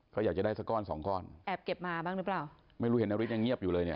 เขาอยากจะได้สักก้อนสองก้อนแอบเก็บมาบ้างหรือเปล่าไม่รู้เห็นนฤทธยังเงียบอยู่เลยเนี่ย